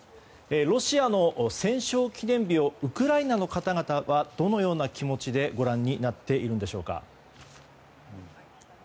ロシアの戦勝記念日をウクライナの方々はどのような気持ちでご覧になっているんでしょうか。